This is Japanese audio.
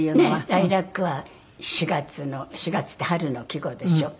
ライラックは４月の４月って春の季語でしょ？